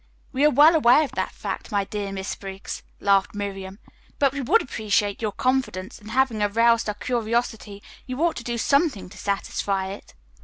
"We are well aware of that fact, my dear Miss Briggs," laughed Miriam, "but we would appreciate your confidence, and having aroused our curiosity you ought to do something to satisfy it."